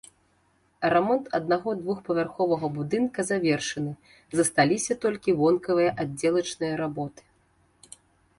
Рамонт аднаго двухпавярховага будынка завершаны, засталіся толькі вонкавыя аддзелачныя работы.